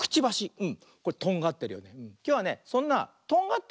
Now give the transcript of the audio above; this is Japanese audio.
うん。